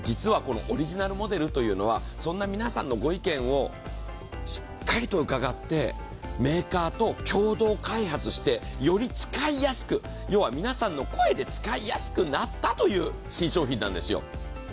実はこのオリジナルモデルというのはそんな皆さんのご意見をしっかりと伺ってメーカーと共同開発して、より使いやすく要は、皆さんの声で使いやすくなったという新商品なんですよ。